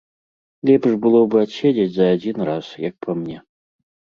Лепш было бы адседзець за адзін раз, як па мне.